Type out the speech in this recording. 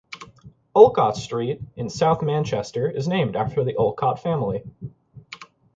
Olcott Street in South Manchester is named after the Olcott family.